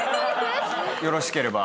よろしければ。